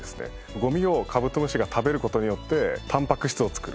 ゴミをカブトムシが食べる事によってタンパク質を作る。